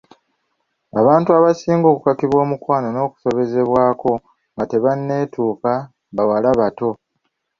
Abantu abasinga okukakibwa omukwana n'okusobezebwako nga tebanneetuuka bawala bato.